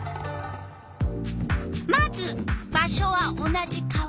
まず場所は同じ川原。